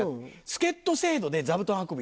助っ人制度で座布団運び。